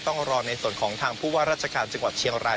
ต้องรอในส่วนของทางผู้ว่าราชการจังหวัดเชียงราย